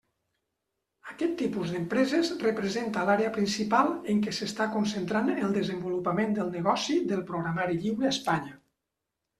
Aquest tipus d'empreses representa l'àrea principal en què s'està concentrant el desenvolupament del negoci del programari lliure a Espanya.